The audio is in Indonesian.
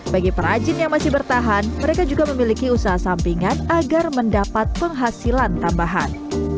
bagi perajin yang masih bertahan mereka juga memiliki usaha sampingan agar mendapat penghasilan tambahan